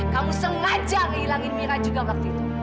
kamu sengaja ngilangin mirah juga waktu itu